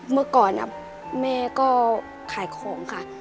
เมื่อก่อนแม่ก็ขายของค่ะ